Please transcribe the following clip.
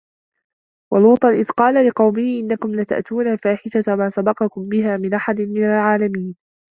وَلوطًا إِذ قالَ لِقَومِهِ إِنَّكُم لَتَأتونَ الفاحِشَةَ ما سَبَقَكُم بِها مِن أَحَدٍ مِنَ العالَمينَ